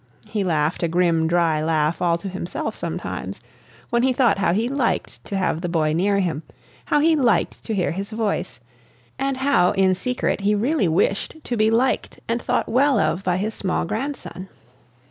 He laughed a grim, dry laugh all to himself sometimes, when he thought how he liked to have the boy near him, how he liked to hear his voice, and how in secret he really wished to be liked and thought well of by his small grandson.